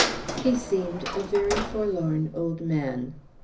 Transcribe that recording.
He seemed a very forlorn old man.